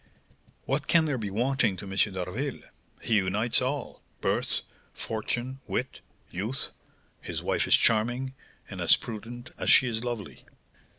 "What can there be wanting to M. d'Harville? He unites all, birth, fortune, wit, youth; his wife is charming, and as prudent as she is lovely."